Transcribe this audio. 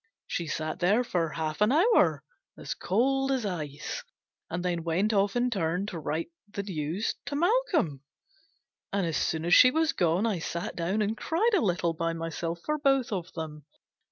She sat there for half an hour, as cold as ice, and then went off in turn to write the news to " Malcolm." And as soon as she was gone I sat down and cried a little by myself for both of them.